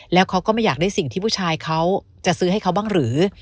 แล้วเขาก็ไม่อยากได้สิ่งที่ผู้ชายเขาจะซื้อให้เขาบ้างหรือ